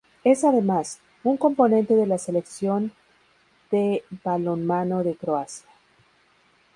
Es además, un componente de la Selección de balonmano de Croacia.